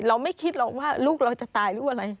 เราไม่คิดหรอกว่าลูกเราจะตายหรืออะไร